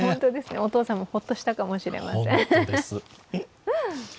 お父さんもほっとしたかもしれません。